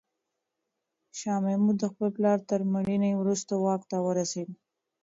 شاه محمود د خپل پلار تر مړینې وروسته واک ته ورسېد.